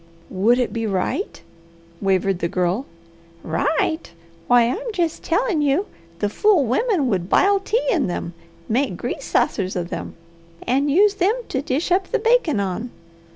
"Would it be right?" wavered the girl. "Right! Why, I'm jest tellin' you the fool wimmen would bile tea in them, make grease sassers of them, and use them to dish up the bakin' on!